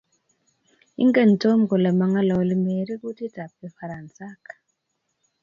ingen Tom kole mangololi Mary kutitab kifaransaik